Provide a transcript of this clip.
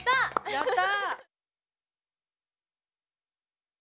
やった！